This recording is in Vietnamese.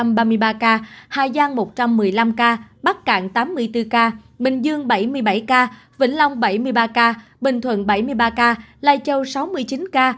tuyền quang ba mươi ba ca hà giang một trăm một mươi năm ca bắc cạn tám mươi bốn ca bình dương bảy mươi bảy ca vĩnh long bảy mươi ba ca bình thuận bảy mươi ba ca lai châu sáu mươi chín ca